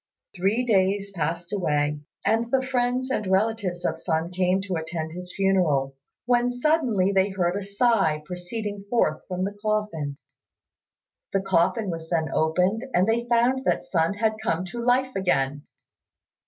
Three days passed away, and the friends and relatives of Sun came to attend his funeral, when suddenly they heard a sigh proceeding forth from the coffin. The coffin was then opened and they found that Sun had come to life again.